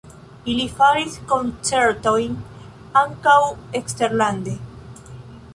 Ili faris koncertojn ankaŭ eksterlande.